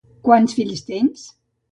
Quants fills tens?